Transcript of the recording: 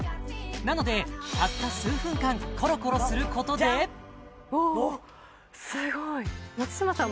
なのでたった数分間コロコロすることでおおすごい松嶋さん